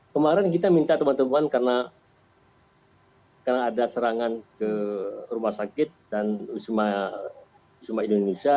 kemarin kita minta teman teman karena ada serangan ke rumah sakit dan wisma indonesia